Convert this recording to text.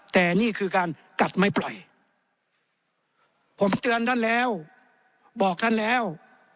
แต่นี่คือการกัดไม่ปล่อยผมเตือนท่านแล้วบอกท่านแล้ว